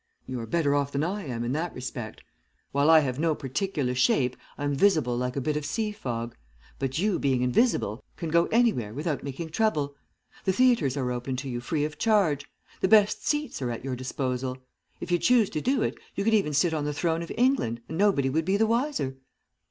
You are better off than I am in that respect. While I have no particular shape I am visible like a bit of sea fog, but you being invisible can go anywhere without making trouble. The theatres are open to you free of charge. The best seats are at your disposal. If you choose to do it you could even sit on the throne of England, and nobody would be the wiser.'